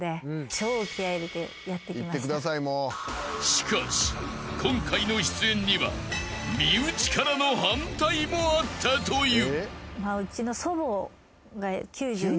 ［しかし今回の出演には身内からの反対もあったという］